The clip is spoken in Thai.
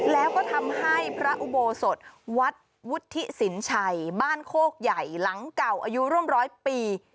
แล้วก็ทำให้พระอุโบสถวัดวุฒิสินชัยบ้านโคกใหญ่หลังเก่าอายุร่วมร้อยปี